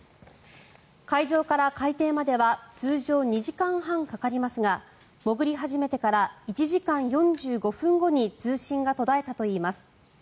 海上から海底までは通常２時間半かかりますが潜り始めてから１時間４５分後に通信が途絶えたといいます。